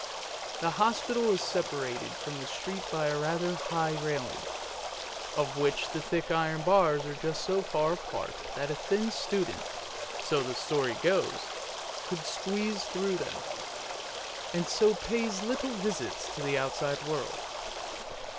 The hospital is separated from the street by a rather high railing, of which the thick iron bars are just so far apart that a thin student — so the story goes — could squeeze through them, and so pay little visits to the outside world.